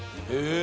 え！